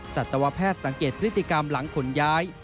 สัตวแพทย์สังเกตพฤติกรรมหลังขนย้าย